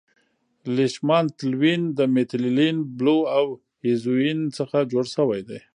لیشمان تلوین د میتیلین بلو او اییوزین څخه جوړ شوی دی.